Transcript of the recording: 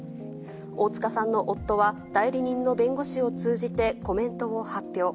大塚さんの夫は、代理人の弁護士を通じてコメントを発表。